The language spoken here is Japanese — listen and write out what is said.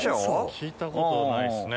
聞いたことないですね。